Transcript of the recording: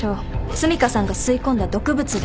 澄香さんが吸い込んだ毒物です。